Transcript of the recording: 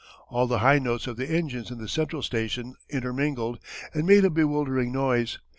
All the high notes of the engines in the central station intermingled and made a bewildering noise.